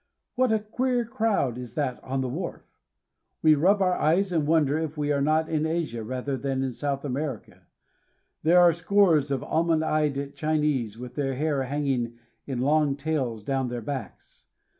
What a queer crowd is that on the wharf! We rub our BRITISH GUIANA. 347 eyes and wonder if we are not in Asia rather than in South America. There are scores of almond eyed Chinese with their hair hanging in long tails down their backs.